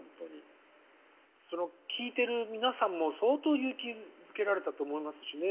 その聴いてる皆さんも相当勇気づけられたと思いますしね。